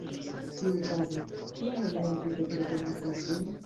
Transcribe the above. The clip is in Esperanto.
Tiukaze, kial oni entute proponas servojn?